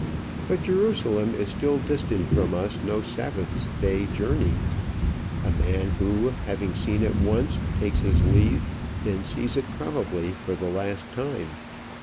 But Jerusalem is still distant from us no Sabbath day's journey. A man who, having seen it once, takes his leave, then sees it probably for the last time.